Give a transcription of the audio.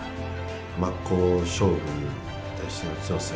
真っ向勝負に対しての強さ。